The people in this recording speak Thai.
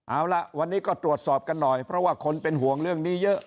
เอาล่ะวันนี้ก็ตรวจสอบกันหน่อยเพราะว่าคนเป็นห่วงเรื่องนี้เยอะ